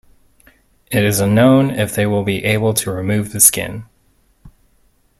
It is unknown if they will be able to remove the skin.